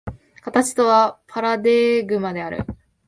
形とはパラデーグマである。